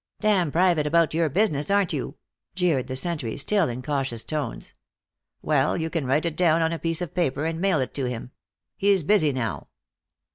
"Damn private about your business, aren't you?" jeered the sentry, still in cautious tones. "Well, you can write it down on a piece of paper and mail it to him. He's busy now."